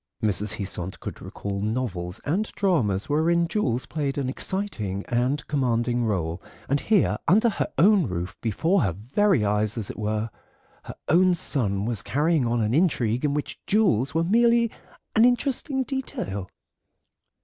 Mrs. Heasant could recall novels and dramas wherein jewels played an exciting and commanding role, and here, under her own roof, before her very eyes as it were, her own son was carrying on an intrigue in which jewels were merely an interesting detail.